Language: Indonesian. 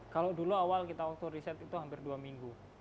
kalau dulu awal kita waktu riset itu hampir dua minggu